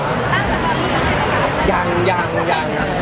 ไม่ได้เจอในคุณหรอก